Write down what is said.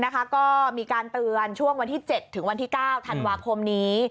ก็มีการเตือนช่วงวันที่๗ถึงวันที่๙ธันวาคมนี้